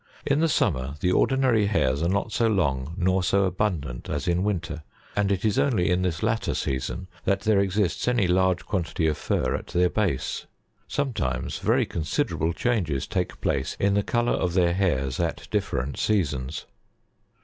In the summer the ordinary hairs are not so long nor so abundant as in winter ; and it is only in this latter season that there exists any large quantity of fur at their base. Sometimes very considerable changes take place in the colour of their hairs at different seasons.